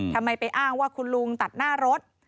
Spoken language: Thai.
ไปอ้างว่าคุณลุงตัดหน้ารถ